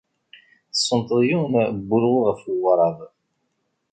Tessenṭeḍ yiwen n welɣu ɣef weɣrab.